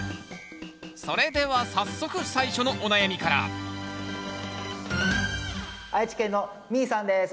それでは早速最初のお悩みから愛知県のみぃさんです。